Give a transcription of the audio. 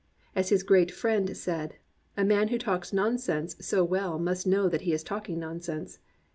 As his Great Friend said, "A man who talks nonsense so well must know that he is talking nonsense."